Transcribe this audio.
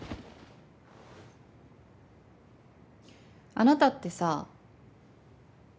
あなたってさ。